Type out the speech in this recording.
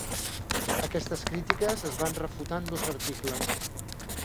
Aquestes crítiques es van refutar en dos articles.